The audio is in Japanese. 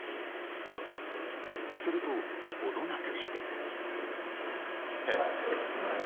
すると、程なくして。